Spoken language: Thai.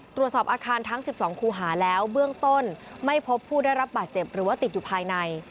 ตรวจสอบอาคารทั้ง๑๒คูหาแล้วเบื้องต้นไม่พบผู้ได้รับบาดเจ็บหรือว่าติดอยู่ภายใน